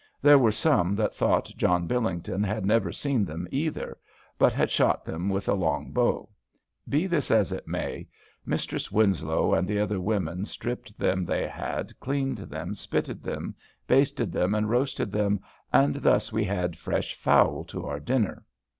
There were some that thought John Billington had never seen them either, but had shot them with a long bowe. Be this as it may, Mistress Winslow and the other women stripped them they had, cleaned them, spytted them, basted them, and roasted them, and thus we had fresh foule to our dinner."